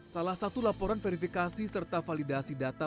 salah satu laporan verifikasi serta validasi data